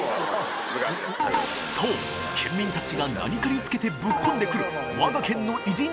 そう県民たちが何かにつけてぶっこんでくる我が県の偉人